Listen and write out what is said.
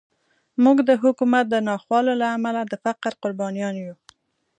موږ د حکومت د ناخوالو له امله د فقر قربانیان یو.